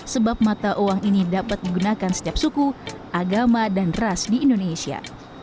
sebab mata uang ini dapat digunakan setiap suku agama dan ras di indonesia